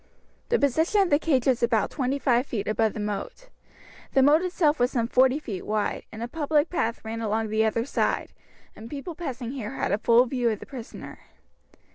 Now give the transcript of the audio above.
The position of the cage was about twenty five feet above the moat. The moat itself was some forty feet wide, and a public path ran along the other side, and people passing here had a full view of the prisoner.